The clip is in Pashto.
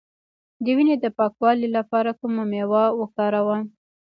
د وینې د پاکوالي لپاره کومه میوه وکاروم؟